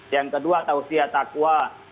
yang kedua tausiyah taqwa